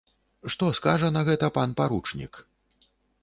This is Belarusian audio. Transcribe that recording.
Што скажа на гэта пан паручнік?